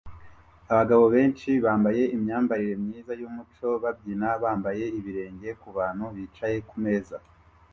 Abagabo benshi bambaye imyambarire myiza yumuco babyina bambaye ibirenge kubantu bicaye kumeza